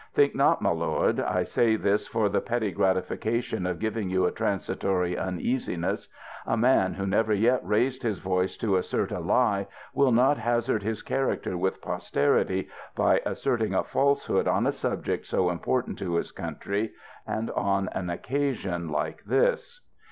Think not, my lord, I say this for the petty gratification of giving you a transitory uneasiness; a man who never yet raised his voice to assert a lie, will not hazard his character with posterity by asserting a falsehood on a subject so important to 366 PATRIOTIC SPEECH his country, and on an occasion like this.